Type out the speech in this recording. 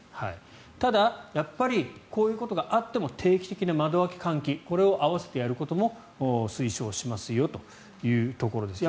ただ、やっぱりこういうことがあっても定期的な窓開け換気これを併せてやることも推奨しますよというところです。